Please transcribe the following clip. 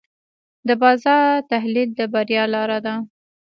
د بازار تحلیل د بریا لاره ده.